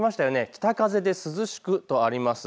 北風で涼しくとあります。